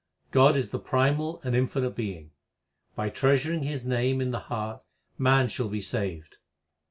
God is the primal and infinite Being ; by treasuring His name in the heart man shall be saved.